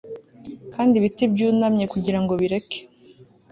kandi ibiti byunamye kugirango bireke